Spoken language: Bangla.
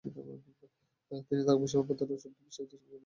তিনি তার গবেষণা পত্রে ওষুধটির বিষাক্ততা সম্পর্কে আলোচনা করেন।